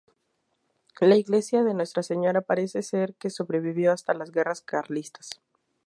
La iglesia de Nuestra Señora parece ser que sobrevivió hasta las guerras carlistas.